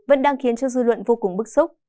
vẫn đang khiến cho dư luận vô cùng bức xúc